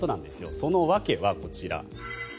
その訳はこちら。